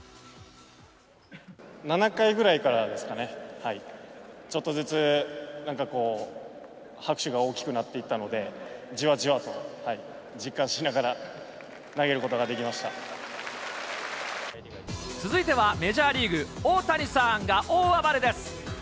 ７回ぐらいからですかね、ちょっとずつ、なんかこう、拍手が大きくなっていったので、じわじわと実感しながら、投げる続いてはメジャーリーグ、オオタニサンが大暴れです。